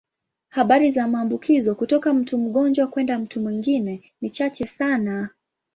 Habari za maambukizo kutoka mtu mgonjwa kwenda mtu mwingine ni chache sana.